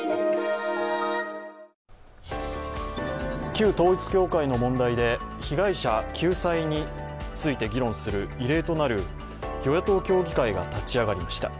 旧統一教会の問題で被害者救済について議論する異例となる与野党協議会が立ち上がりました。